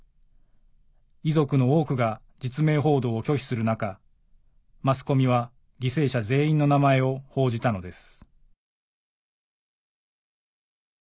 遺族の多くが実名報道を拒否する中マスコミは犠牲者全員の名前を報じたのです